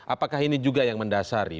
apakah ini juga yang mendasari